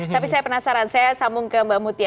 tapi saya penasaran saya sambung ke mbak mutia